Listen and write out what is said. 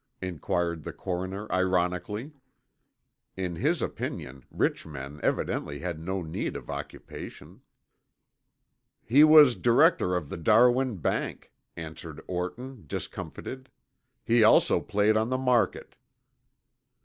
inquired the coroner ironically. In his opinion rich men evidently had no need of occupation. "He was director of the Darwin Bank," answered Orton, discomfited. "He also played on the market."